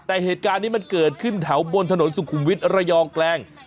แต่เหตุการณ์นี้มันเกิดขึ้นแถวบนถนนสุขุมวิทย์ระยองแกลง